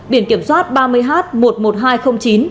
biển kiểm soát ba mươi h một mươi một nghìn hai trăm linh chín